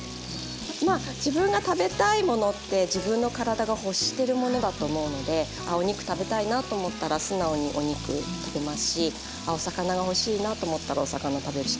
まあ自分が食べたいものって自分の体が欲してるものだと思うのであお肉食べたいなと思ったら素直にお肉食べますしお魚が欲しいなと思ったらお魚食べるし。